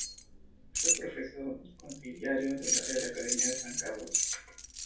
Fue profesor y consiliario de la Real Academia de San Carlos.